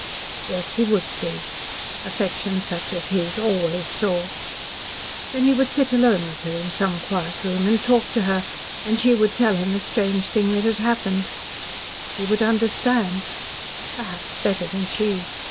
Yes, he would see. Affection such as his always saw. Then he would sit alone with her in some quiet room and talk to her, and she would tell him the strange thing that had happened. He would understand perhaps better than she.